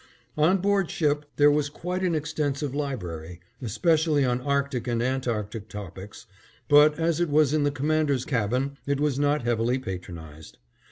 On board ship there was quite an extensive library, especially on Arctic and Antarctic topics, but as it was in the Commander's cabin it was not heavily patronized.